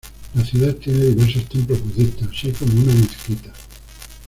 La ciudad tiene diversos templos budistas así como una mezquita.